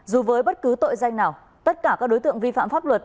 dù với bất cứ tội danh nào tất cả các đối tượng vi phạm pháp luật